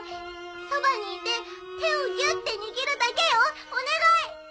そばにいて手をギュって握るだけよお願い！